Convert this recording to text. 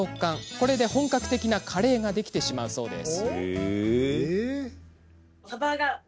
これで、本格的なカレーができてしまうそうです。